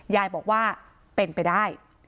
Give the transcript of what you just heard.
ยายบอกว่าเป็นไปได้